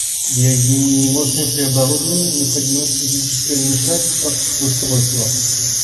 Для изменения мощности оборудования необходимо физическое вмешательство в устройство